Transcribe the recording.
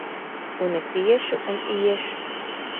Un es iešu un iešu!